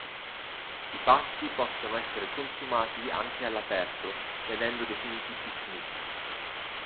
I pasti possono essere consumati anche all'aperto, venendo definiti pic-nic.